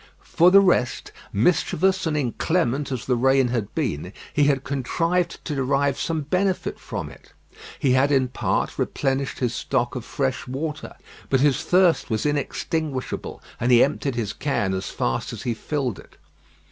For the rest, mischievous and inclement as the rain had been, he had contrived to derive some benefit from it. He had in part replenished his stock of fresh water; but his thirst was inextinguishable, and he emptied his can as fast as he filled it.